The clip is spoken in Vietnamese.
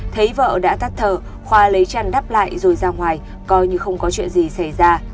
thấy vợ đã tắt thở khoa lấy chăn đắp lại rồi ra ngoài coi như không có chuyện gì xảy ra